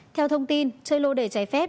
theo thông tin chơi lô đề trái phép